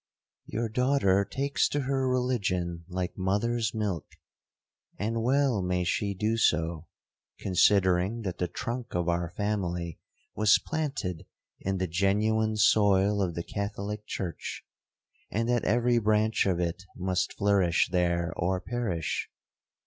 'Your daughter takes to her religion like mother's milk; and well may she do so, considering that the trunk of our family was planted in the genuine soil of the Catholic church, and that every branch of it must flourish there or perish.